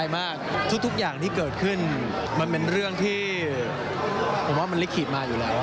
มันเป็นเรื่องที่ผมว่ามันลิขีดมาอยู่แล้ว